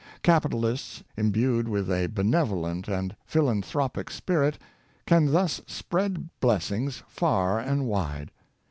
Capitalists imbued with a benevolent and philanthropic spirit can thus spread blessings far arid wide.